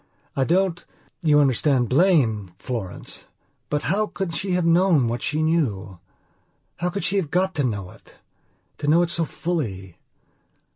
I don't, you understand, blame Florence. But how can she have known what she knew? How could she have got to know it? To know it so fully.